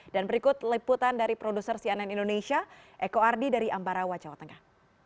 dan berikut liputan dari produser cnn indonesia eko ardi dari ambarawa jawa tengah